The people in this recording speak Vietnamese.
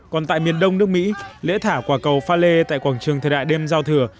còn tại miền đông nước mỹ lễ thả quả cầu phalé tại quảng trường thời đại đêm giao thừa